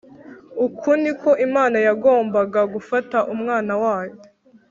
. Uku niko Imana yagombaga gufata umwana wayo?